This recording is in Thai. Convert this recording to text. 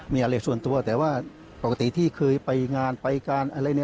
มีอะไรส่วนตัวแต่ว่าปกติที่เคยไปงานไปการอะไร